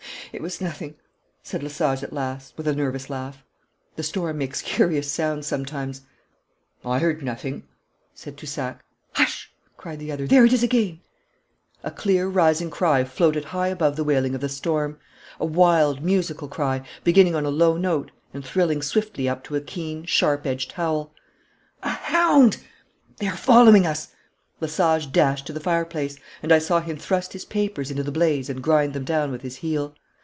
'It was nothing,' said Lesage at last, with a nervous laugh. 'The storm makes curious sounds sometimes.' 'I heard nothing,' said Toussac. 'Hush!' cried the other. 'There it is again!' A clear rising cry floated high above the wailing of the storm; a wild, musical cry, beginning on a low note, and thrilling swiftly up to a keen, sharp edged howl. 'A hound!' 'They are following us!' Lesage dashed to the fireplace, and I saw him thrust his papers into the blaze and grind them down with his heel.